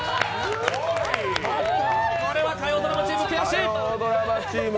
これは火曜ドラマチーム、悔しい。